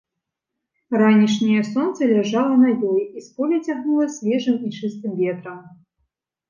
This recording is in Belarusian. Ранішняе сонца ляжала на ёй, і з поля цягнула свежым і чыстым ветрам.